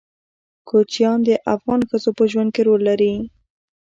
کوچیان د افغان ښځو په ژوند کې رول لري.